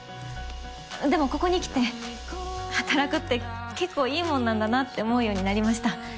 でもここに来て働くってけっこういいもんなんだなって思うようになりました。